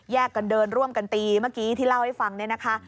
กันเดินร่วมกันตีเมื่อกี้ที่เล่าให้ฟังเนี่ยนะคะ